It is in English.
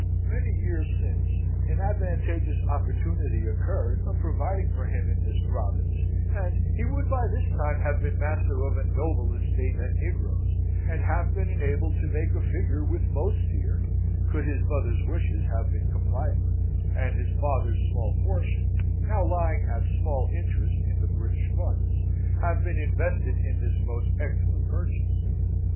Many years since, an advantageous opportunity occurred of providing for him in this province, and he would by this time have been master of a noble estate and negroes, and have been enabled to make a figure with most here, could his mother's wishes have been complied with, and his father's small portion, now lying at small interest in the British funds, have been invested in this most excellent purchase.